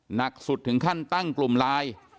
หนักหนักสุดถึงขั้นตั้งกลุ่มร้าย